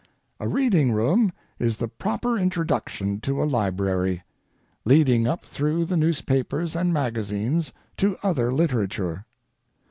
A reading room is the proper introduction to a library, leading up through the newspapers and magazines to other literature.